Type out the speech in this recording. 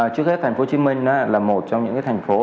trước hết thành phố hồ chí minh là một trong những thành phố